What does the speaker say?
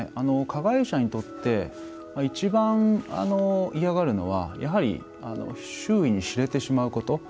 加害者にとって一番嫌がるのはやはり周囲に知れてしまうこと。